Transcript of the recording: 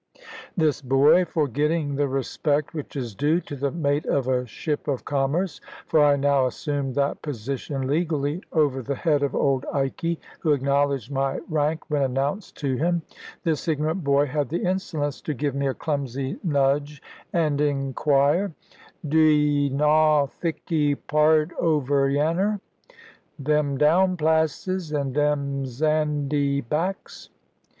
This boy, forgetting the respect which is due to the mate of a ship of commerce for I now assumed that position legally, over the head of old Ikey, who acknowledged my rank when announced to him this ignorant boy had the insolence to give me a clumsy nudge, and inquire "Du 'e knaw thiccy peart over yanner? Them down plasses, and them zandy backs?"